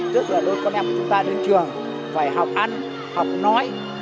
tức là đôi con em chúng ta đến trường phải học ăn học nói